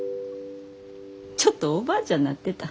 ちょっとおばあちゃんなってた。